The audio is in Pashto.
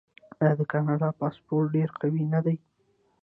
آیا د کاناډا پاسپورت ډیر قوي نه دی؟